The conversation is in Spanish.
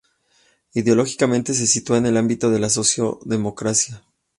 Ideológicamente se sitúa en el ámbito de la socialdemocracia.